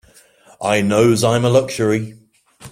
I knows I'm a luxury.